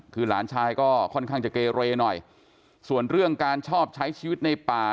คือหลานชายก็ค่อนข้างจะเกเรหน่อยส่วนเรื่องการชอบใช้ชีวิตในป่า